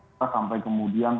kita sampai kemudian